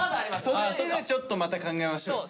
そっちでちょっと考えましょう。